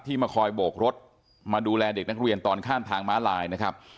มาคอยโบกรถมาดูแลเด็กนักเรียนตอนข้ามทางม้าลายนะครับ